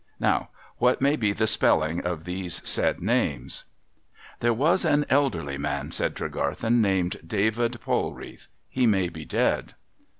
Now, what may be the spelling of these said names ?'' There was an elderly man,' said Tregarthen, ' named David Polrealh. He may be dead.'